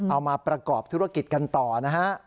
เอามาประกอบธุรกิจกันต่อนะฮะ